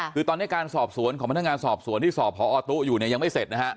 คือตอนนี้การสอบสวนของพนักงานสอบสวนที่สอบพอตู้อยู่เนี่ยยังไม่เสร็จนะฮะ